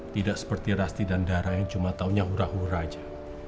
tidak seperti rasti dan darah yang cuma tahunya hura hura saja